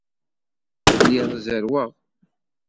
Lliɣ zerrweɣ.